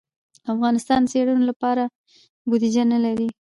افغانستان د څېړنو لپاره بودیجه نه لري.